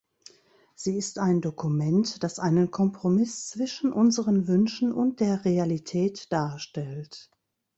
Sie ist ein Dokument, das einen Kompromiss zwischen unseren Wünschen und der Realität darstellt.